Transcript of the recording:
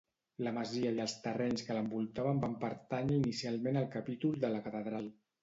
La masia i els terrenys que l'envoltaven van pertànyer inicialment al Capítol de la Catedral.